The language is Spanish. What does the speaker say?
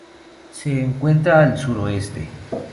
Se encuentra al suroeste.